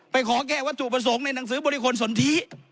ขอแก้วัตถุประสงค์ในหนังสือบริคลสนทิ